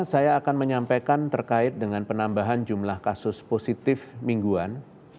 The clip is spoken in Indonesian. saya akan menyampaikan terkait dengan penambahan jumlah kasus positif mingguan